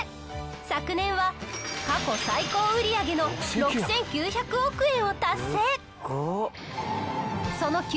昨年は過去最高売上の６９００億円を達成！